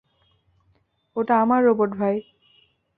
ওটা আমার রোবট ভাই।